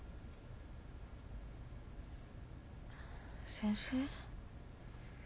先生。